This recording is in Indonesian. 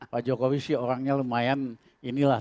pak jokowi sih orangnya lumayan inilah